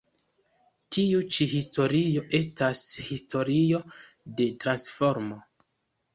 Tiu ĉi historio estas historio de transformo".